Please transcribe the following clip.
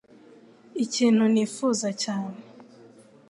ikintu nifuza cyane -